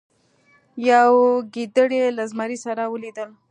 یوې ګیدړې له زمري سره ولیدل.